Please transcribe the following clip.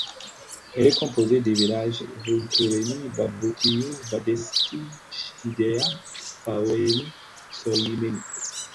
Elle est composée des villages Vultureni, Băbuțiu, Bădești, Chidea, Făureni, Șoimeni.